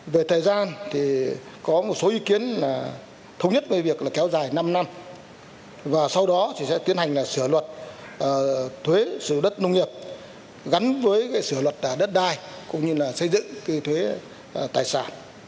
về thời gian có một số ý kiến thống nhất với việc kéo dài năm năm và sau đó chỉ sẽ tiến hành sửa luật thuế sử dụng đất nông nghiệp gắn với sửa luật đất đai cũng như xây dựng thuế tài sản